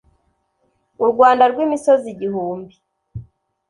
U Rwanda rw’imisozi igihumbi